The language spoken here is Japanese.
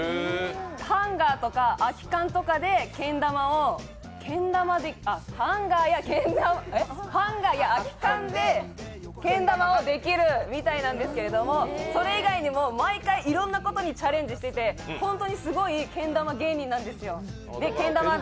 ハンガーとか空き缶とかでけん玉をハンガーや空き缶でけん玉をできるみたいなんですけどそれ以外にも毎回、いろんなことにチャレンジしてて本当にすごいけん玉芸人なんですよ。